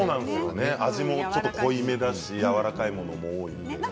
味もちょっと濃いめだしやわらかいものも多いんで。